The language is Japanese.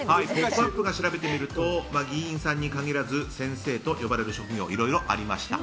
スタッフが調べてみると議員さんに限らず先生と呼ばれる職業はいろいろありました。